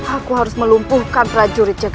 aku harus melumpuhkan prajurit jaga itu